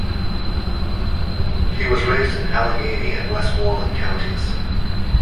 He was raised in Allegheny and Westmoreland counties.